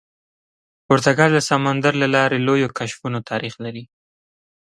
پرتګال د سمندر له لارې لویو کشفونو تاریخ لري.